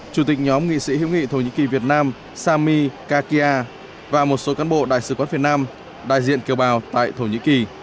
chủ tịch nhóm nghị sĩ hữu nghị thổ nhĩ kỳ việt nam sami kakia và một số cán bộ đại sứ quán việt nam đại diện kiều bào tại thổ nhĩ kỳ